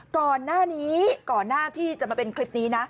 ก่อนหน้าที่จะมาเป็นคลิปนี้